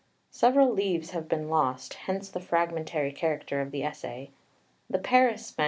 Several leaves have been lost, hence the fragmentary character of the essay. The Paris MS.